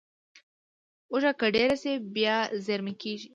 اوړه که ډېر شي، بیا زېرمه کېږي